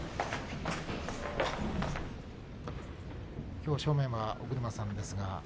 きょう正面は尾車さんです。